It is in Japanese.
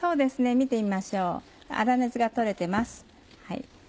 見てみましょう粗熱が取れてます。